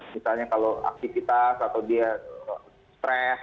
misalnya kalau aktivitas atau dia stres